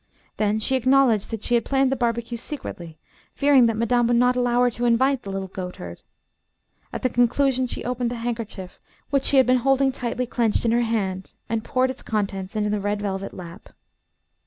Then she acknowledged that she had planned the barbecue secretly, fearing that madame would not allow her to invite the little goatherd. At the conclusion, she opened the handkerchief which she had been holding tightly clenched in her hand, and poured its contents in the red velvet lap.